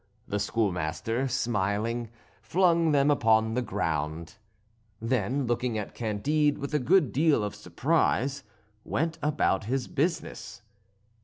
The schoolmaster, smiling, flung them upon the ground; then, looking at Candide with a good deal of surprise, went about his business.